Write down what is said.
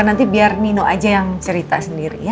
nanti biar nino aja yang cerita sendiri